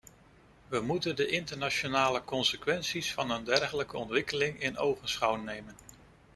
We moeten de internationale consequenties van een dergelijke ontwikkeling in ogenschouw nemen.